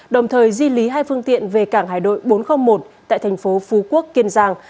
đồng thời di lý hai phương tiện về cảng hải đội bốn trăm linh một tại thành phố phú quốc kiên giang